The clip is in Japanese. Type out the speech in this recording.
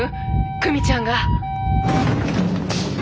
久美ちゃんが！